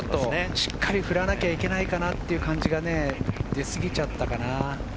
しっかり振らなきゃいけないかなというのが出すぎちゃったかな。